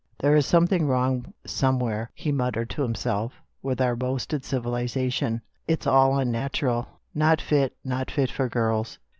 There is something wrong somewhere," he muttered to himself, "with our boasted civilisation. It's all unnatural. Not fit, not fit for girls."